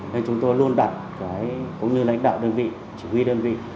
nên chúng tôi luôn đặt cái cũng như lãnh đạo đơn vị chỉ huy đơn vị